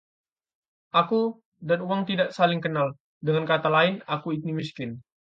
Aku dan uang tidak saling kenal. Dengan kata lain, aku ini miskin.